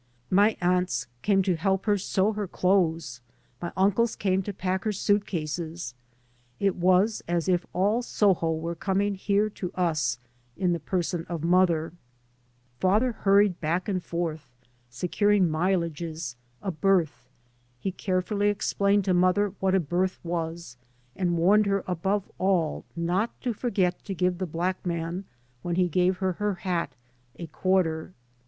My aunts came to help her sew her clothes, my uncles came to padc her suitcases. It was as if all Soho were coming here to us ia the person of mother. Father hurried 3 by Google MY MOTHER AND I back and forth securing mileages, a berth. He carefully explained to mother what . a berth was, and warned her above all not to forget to give the black man, when he gave her her hat, a quarter.